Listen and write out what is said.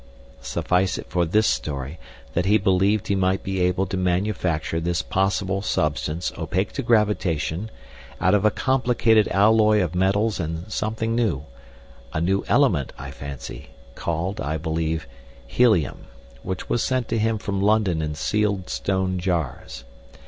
Suffice it for this story that he believed he might be able to manufacture this possible substance opaque to gravitation out of a complicated alloy of metals and something new—a new element, I fancy—called, I believe, helium, which was sent to him from London in sealed stone jars.